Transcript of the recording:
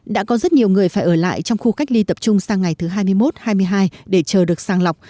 đã có rất nhiều người phải ở lại trong khu cách ly tập trung sang ngày thứ hai mươi một hai mươi hai để chờ được sàng lọc